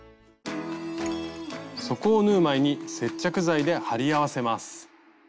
底を縫う前に接着材で貼り合わせます。